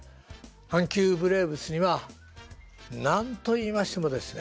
阪急ブレーブスには何と言いましてもですね